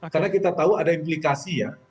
karena kita tahu ada implikasi ya